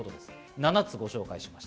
７つ、ご紹介しました。